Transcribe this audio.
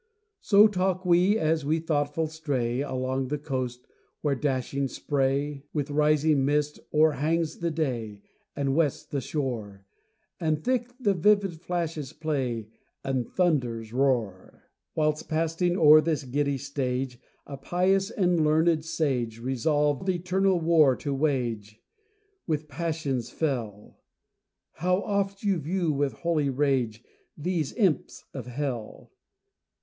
So talk we as we thoughtful stray Along the coast, where dashing spray With rising mist o'erhangs the day, And wets the shore, And thick the vivid flashes play And thunders roar! Whilst passing o'er this giddy stage, A pious and a learned sage Resolved eternal war to wage With passions fell; How oft you view with holy rage These imps of hell!